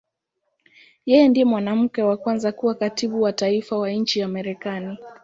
Yeye ndiye mwanamke wa kwanza kuwa Katibu wa Taifa wa nchi ya Marekani.